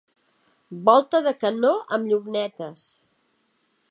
Volta de canó amb llunetes.